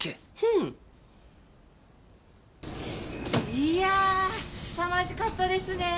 いやぁすさまじかったですねぇ。